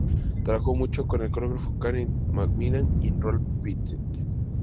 Trabajó mucho con el coreógrafo Kenneth MacMillan y con Roland Petit.